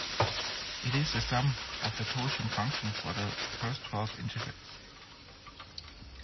It is the sum of the totient function for the first twelve integers.